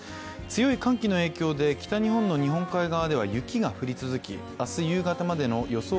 強い寒気の影響で、北日本の日本海側では雪が降り続き、明日夕方までの予想